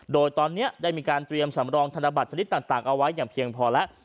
โดยตอนนี้ได้มีการเตรียมสำรองธนบัตรชนิดต่างเอาไว้อย่างเพียงพอแล้ว